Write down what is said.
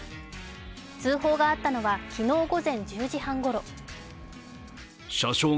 通報があったのは昨日午前１０時半ごろ。